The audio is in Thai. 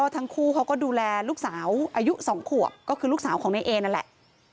ทั้งคู่เขาก็ดูแลลูกสาวอายุ๒ขวบก็คือลูกสาวของนายเอนั่นแหละ